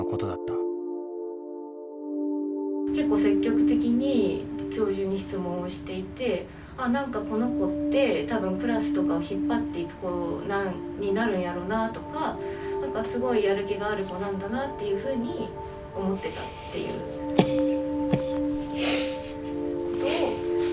結構積極的に教授に質問をしていてあっ何かこの子って多分クラスとかを引っ張っていく子になるんやろうなとかすごいやる気がある子なんだなっていうふうに思ってたっていうことを言ってて。